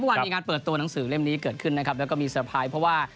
มีการเปิดตัวหนังสือเล่มนี้เกิดขึ้นนะครับแล้วก็มีเตอร์ไพรส์เพราะว่า